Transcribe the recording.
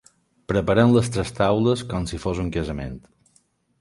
Preparem les tres taules com si fos un casament.